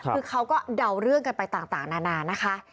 คือเขาก็เดาเรื่องกันไปต่างนานานะคะ